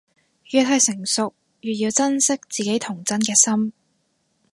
越係成熟，越要珍惜自己童真嘅心